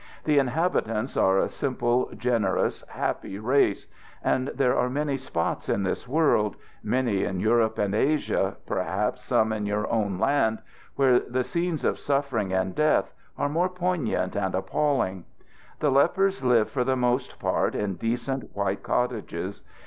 The inhabitants are a simple, generous, happy race; and there are many spots in this world many in Europe and Asia, perhaps some in your own land where the scenes of suffering and death are more poignant and appalling. The lepers live for the most part in decent white cottages.